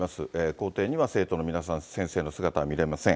校庭にはまだ生徒の皆さん、先生の姿は見られません。